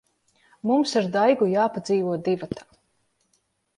Mums ar Daigu jāpadzīvo divatā.